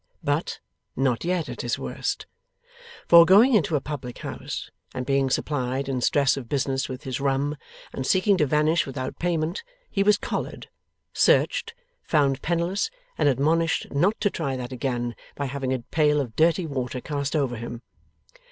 But, not yet at his worst; for, going into a public house, and being supplied in stress of business with his rum, and seeking to vanish without payment, he was collared, searched, found penniless, and admonished not to try that again, by having a pail of dirty water cast over him.